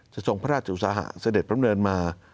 ทรงพระราชอุตสาหะเสด็จพระดำเนินมา